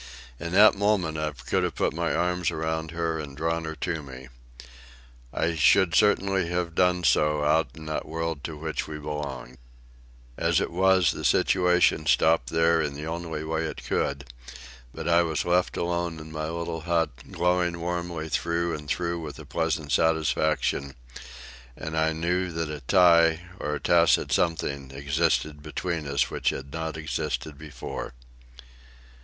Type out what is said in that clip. In that moment I could have put my arms around her and drawn her to me. I should certainly have done so out in that world to which we belonged. As it was, the situation stopped there in the only way it could; but I was left alone in my little hut, glowing warmly through and through with a pleasant satisfaction; and I knew that a tie, or a tacit something, existed between us which had not existed before.